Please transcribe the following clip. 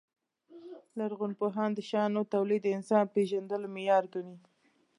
لرغونپوهان د شیانو تولید د انسان پېژندلو معیار ګڼي.